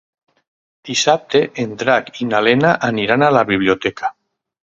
Dissabte en Drac i na Lena aniran a la biblioteca.